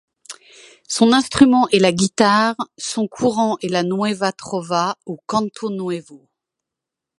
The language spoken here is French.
Son instrument est la guitare, son courant est la nueva trova ou Canto Nuevo.